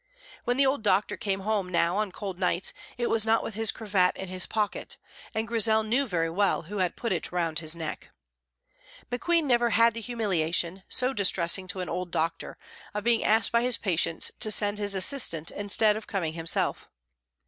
When the old doctor came home now on cold nights it was not with his cravat in his pocket, and Grizel knew very well who had put it round his neck. McQueen never had the humiliation, so distressing to an old doctor, of being asked by patients to send his assistant instead of coming himself.